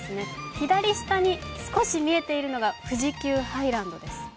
左下に少し見えているのが富士急ハイランドです。